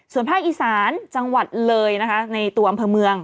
ส่วนภาคอีสานจังหวัดเลยนะคะในตัวอำเภอเมือง